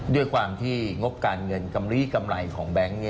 ด้วยความที่งบการเงินกำลีกำไรของแบงค์